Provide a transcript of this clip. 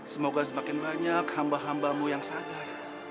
semoga semakin banyak hamba hambamu yang sadar